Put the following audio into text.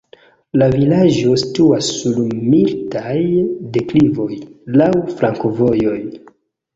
La vilaĝo situas sur mildaj deklivoj, laŭ flankovojoj.